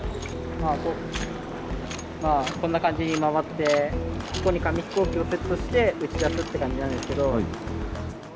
まあこんな感じに回ってここに紙飛行機をセットして打ち出すって感じなんですけど。